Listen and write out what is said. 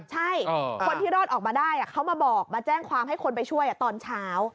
ใช่คนที่รอดออกมาได้เขามาบอกมาแจ้งความให้คนไปช่วยตอนเช้า